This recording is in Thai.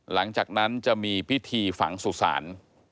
หลังจากนั้นจะมีพิธีฝังสุสาน